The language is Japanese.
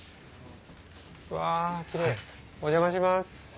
うわキレイお邪魔します。